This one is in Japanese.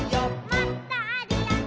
「もっとあるよね」